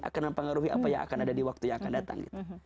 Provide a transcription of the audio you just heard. akan mempengaruhi apa yang akan ada di waktu yang akan datang